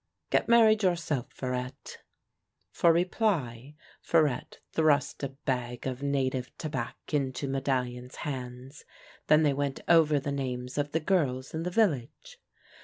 " Get married yourself, Farette." For reply Farette thrust a bag of native iabac into Medallion's hands. Then they went over the names of the girls in the village.